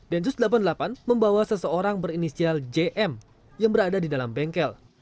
densus delapan puluh delapan membawa seseorang berinisial jm yang berada di dalam bengkel